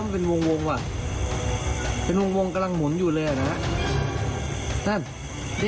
มือบับเหลือมือบับเหลือมือบับเหลือ